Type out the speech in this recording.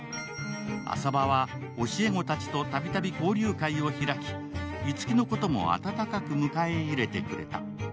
浅葉は教え子たちとたびたび交流会を開き、樹のことも温かく迎え入れてくれた。